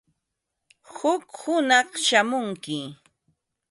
Huk hunaq shamunki.